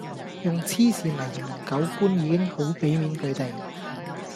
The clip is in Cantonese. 用痴線來形容狗官已經好比面佢地